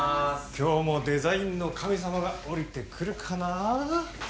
今日もデザインの神様が降りてくるかな？